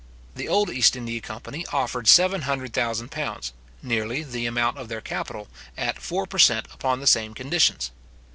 The old East India company offered seven hundred thousand pounds, nearly the amount of their capital, at four per cent. upon the same conditions.